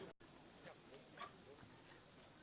e forma tanggung